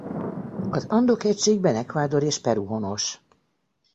Az Andok hegységben Ecuador és Peru honos.